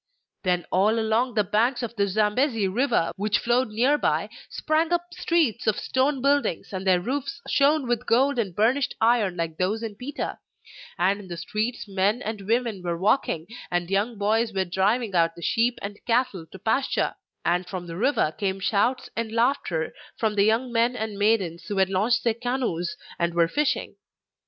Then all along the banks of the Zambesi river, which flowed near by, sprang up streets of stone buildings, and their roofs shone with gold and burnished iron like those in Pita; and in the streets men and women were walking, and young boys were driving out the sheep and cattle to pasture; and from the river came shouts and laughter from the young men and maidens who had launched their canoes and were fishing.